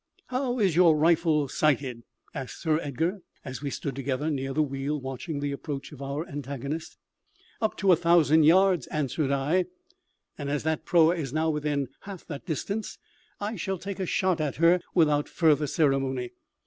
"How is your rifle sighted?" asked Sir Edgar, as we stood together near the wheel, watching the approach of our antagonist. "Up to a thousand yards," answered I. "And as that proa is now within half that distance, I shall take a shot at her without further ceremony.